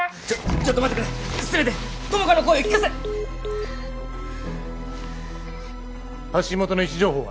ちょっと待ってくれせめて友果の声を聞かせ発信元の位置情報は？